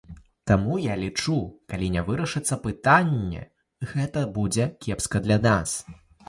Таму, я лічу, калі не вырашыцца пытанне, гэта будзе кепска для нас.